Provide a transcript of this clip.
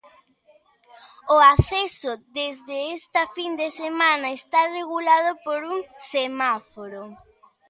O acceso desde esta fin de semana está regulado por un semáforo.